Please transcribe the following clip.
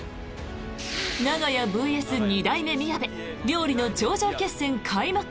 長屋ＶＳ二代目みやべ料理の頂上決戦、開幕！